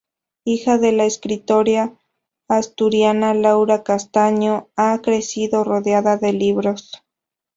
Hija de la escritora asturiana Laura Castañón, ha crecido rodeada de libros.